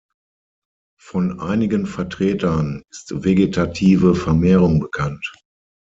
Von einigen Vertretern ist vegetative Vermehrung bekannt.